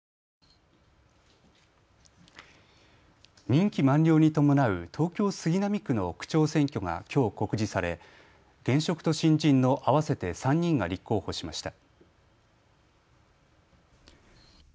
任期満了に伴う東京杉並区の区長選挙がきょう告示され現職と新人の合わせて３人が立候補しました。